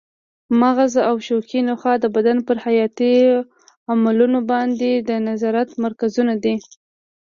مغز او شوکي نخاع د بدن پر حیاتي عملونو باندې د نظارت مرکزونه دي.